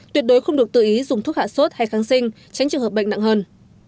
tuyệt đối không được tự ý dùng thuốc hạ sốt hay kháng sinh tránh trường hợp bệnh nặng hơn